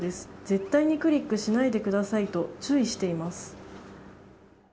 絶対にクリックしないでくださいと注意しています。